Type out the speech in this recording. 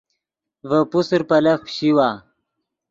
ڤے پوسر پیلف پیشیوا